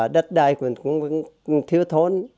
đất đây cũng thiếu thốn